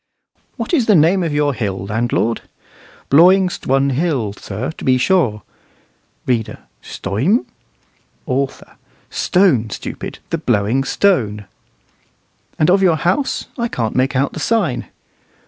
"What is the name of your hill, landlord?" "Blawing STWUN Hill, sir, to be sure." [READER. "Stuym?" AUTHOR: "Stone, stupid the Blowing Stone."] "And of your house? I can't make out the sign."